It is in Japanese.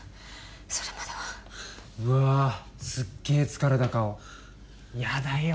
それまではうわあすっげえ疲れた顔やだよ